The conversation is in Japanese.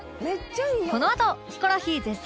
このあとヒコロヒー絶賛